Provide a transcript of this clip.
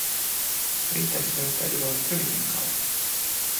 Riittäisiköhän sitä iloa nyt hyvinkin kauan?